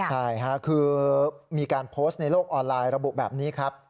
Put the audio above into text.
ใช่ค่ะคือมีการโพสต์ในโลกออนไลน์ระบุแบบนี้ครับ